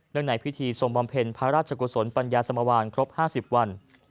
เนื่องในพิธีทรมบำเพ็ญพระราชกุศลปัญญาสมวรรณครบห้าสิบวัน